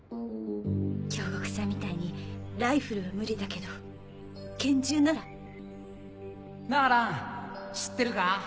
京極さんみたいにライフルは無理だけど拳銃ならなぁ蘭知ってるか？